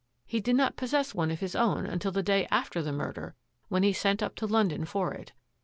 He did not pos sess one of his own until the day after the murder, when he sent up to London for it.